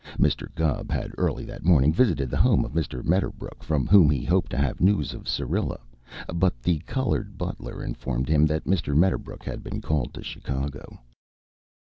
Mr. Gubb had, early that morning, visited the home of Mr. Medderbrook, from whom he hoped to have news of Syrilla, but the colored butler informed him that Mr. Medderbrook had been called to Chicago.